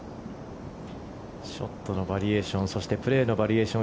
ショットのバリエーションそしてプレーのバリエーション